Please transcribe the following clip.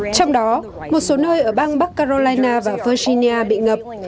trong đó một số nơi ở bang bắc carolina và virginia bị ngập